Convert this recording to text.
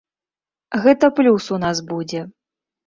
Гэта плюс у нас будзе.